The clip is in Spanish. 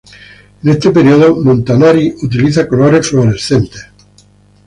En este periodo Montanari utiliza colores fluorescentes.